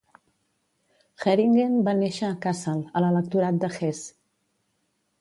Heeringen va néixer a Kassel, a l'Electorat de Hesse.